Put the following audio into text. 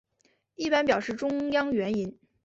一般表示中央元音。